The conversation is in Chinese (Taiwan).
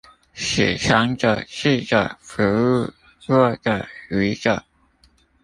使強者智者服務弱者愚者